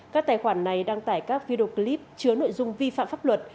các tài khoản này đăng tải các video clip chứa nội dung vi phạm pháp luật